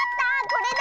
これだ！